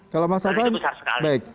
kalau masyarakat baik